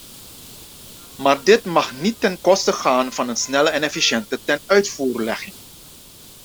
Maar dit mag niet ten koste gaan van een snelle en efficiënte tenuitvoerlegging.